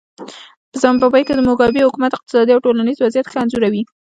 په زیمبابوې کې د موګابي حکومت اقتصادي او ټولنیز وضعیت ښه انځوروي.